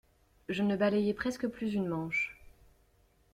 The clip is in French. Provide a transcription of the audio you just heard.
Je ne balayais presque plus une manche.